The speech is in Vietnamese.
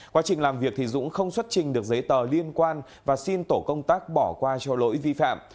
quá trình làm việc dũng không xuất trình được giấy tờ liên quan và xin tổ công tác bỏ qua cho lỗi vi phạm